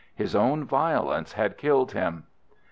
His own violence had killed him.